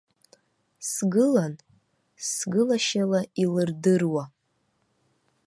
Сгылан, сгылашьала илырдыруа.